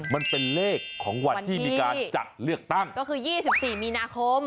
มันเป็นเลขของวันที่มีการจัดเลือกตั้งก็คือ๒๔มีนาคม